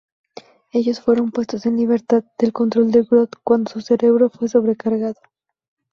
Ellos fueron puestos en libertad del control de Grodd cuando su cerebro fue sobrecargado.